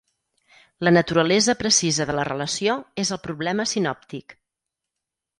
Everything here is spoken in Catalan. La naturalesa precisa de la relació és el problema sinòptic.